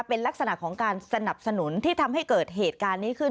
เป็นลักษณะของการสนับสนุนที่ทำให้เกิดเหตุการณ์นี้ขึ้น